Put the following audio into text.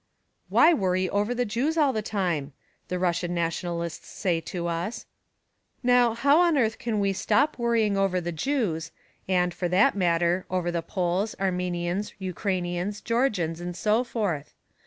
"Why worry over the Jews all the time?" the Russian Nationalists say to us. Now, how on earth can we stop worrying over the Jews, and, for that matter, over the Poles, Armenians, Ukrainians, Georgians, and so forth?